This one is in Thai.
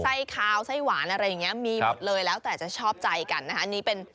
ค่ะซ่าขาวซ่าหวานอะไรอย่างนี้เนี่ยมีหมดเลยแล้วแต่จะชอบใจกันนะคะ